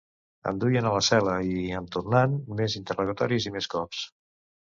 Em duien a la cel·la i, en tornant, més interrogatoris i més cops.